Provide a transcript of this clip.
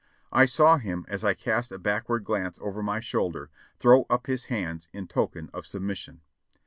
I saw him, as I cast a backward glance over my shoulder, throw up his hands in token of submission.